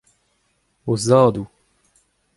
o zadoù.